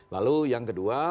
lalu yang kedua